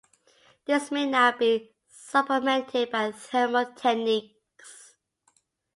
This may now be supplemented by thermal techniques.